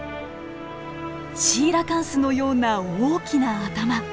シーラカンスのような大きな頭。